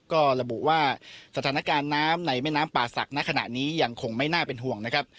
ก็ระบุว่าสถานการณ์น้ำในแม่น้ำป่าศักดิ์ณขณะนี้ยังคงไม่น่าเป็นห่วงนะครับ